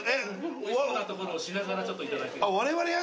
おいしそうなところをしながらちょっといただければ。